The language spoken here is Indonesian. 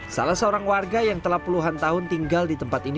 salah seorang warga yang telah puluhan tahun tinggal di tempat ini